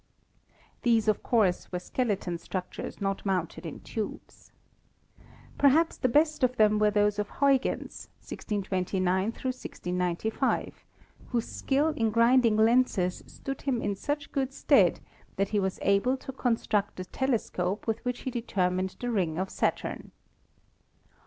These, of course, were skeleton structures not mounted in tubes. Perhaps the best of them were those of Huygens METHODS OF OBSERVATION 17 (1629 1695), whose skill in grinding lenses stood him in such good stead that he was able to construct a telescope with which he determined the ring of Saturn.